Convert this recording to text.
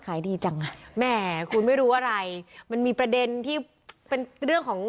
ขายดีจังอ่ะแหมคุณไม่รู้อะไรมันมีประเด็นที่เป็นเรื่องของ